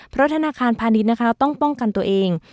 เพราะธนาคารพาณิชย์นะคะต้องป้องกันตัวเอง